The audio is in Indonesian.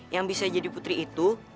yang bisa jadi putri itu